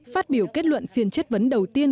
phát biểu kết luận phiên chất vấn đầu tiên